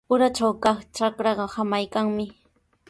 Uratraw kaq trakraaqa samaykanmi.